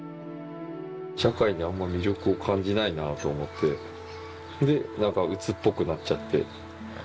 社会にあんまり魅力を感じないなと思って、なんかうつっぽくなっちゃって。